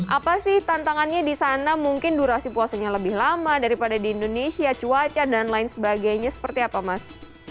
apa sih tantangannya di sana mungkin durasi puasanya lebih lama daripada di indonesia cuaca dan lain sebagainya seperti apa mas